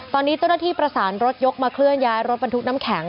ตอนนี้เจ้าหน้าที่ประสานรถยกมาเคลื่อนย้ายรถบรรทุกน้ำแข็ง